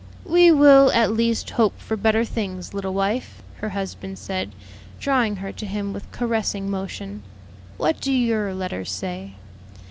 "We will, at least, hope for better things, little wife," her husband said, drawing her to him with caressing motion. "What do your letters say?"